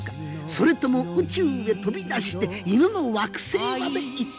それとも宇宙へ飛び出して犬の惑星まで行ったやら。